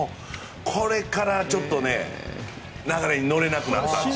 これから、ちょっとね流れに乗れなくなったんです。